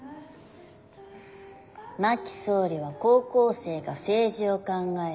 真木総理は高校生が政治を考える